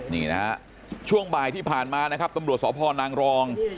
นี่นะฮะช่วงบ่ายที่ผ่านมานะครับตำรวจสพนางรอง